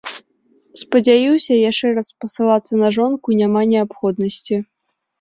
Спадзяюся, яшчэ раз спасылацца на жонку няма неабходнасці.